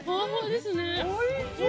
・おいしい！